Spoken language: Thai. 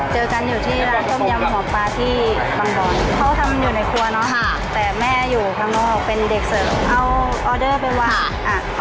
เจอกันอยู่ที่ท่ำยำของป๋าที่บัมบ์บอน